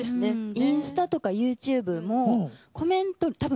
インスタとかＹｏｕＴｕｂｅもコメント多分